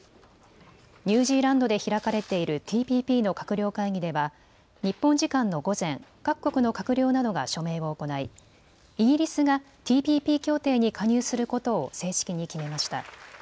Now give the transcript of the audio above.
ニュージーランドで開かれているＴＰＰの閣僚会議では日本時間の午前、各国の閣僚などが署名を行いイギリスがＴＰＰ協定に加入することを正式に決めました。